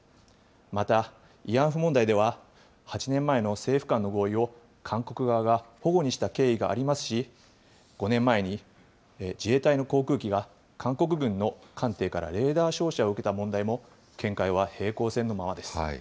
また慰安婦問題では、８年前の政府間の合意を韓国側がほごにした経緯がありますし、５年前に自衛隊の航空機が韓国軍の艦艇からレーダー照射を受けた問題も、見解は平行線のままです。